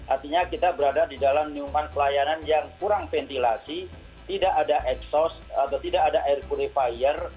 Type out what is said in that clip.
artinya kita berada di dalam lingkungan pelayanan yang kurang ventilasi tidak ada exhaust atau tidak ada air purifier